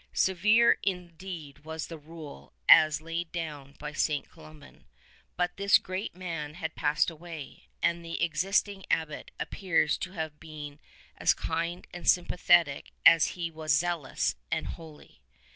Severe indeed was the Rule as laid down by St. Columban ; but this great man had passed away, and the ex isting Abbot appears to have been as kind and sympathetic as he was zealous and holy.